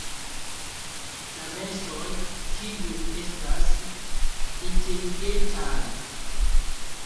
La mensoj kiuj estas inteligentaj.